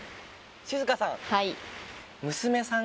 静香さん